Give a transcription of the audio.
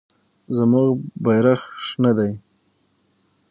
زموږ بیرغ شنه دی.